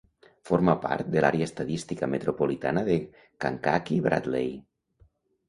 Forma part de l'Àrea Estadística Metropolitana de Kankakee-Bradley.